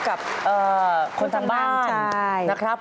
กับคนทางบ้านนะครับคุณสามบ้านคุณสามบ้านใช่